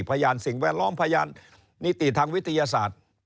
พยานสิ่งแวดล้อมพยานนิติทางวิทยาศาสตร์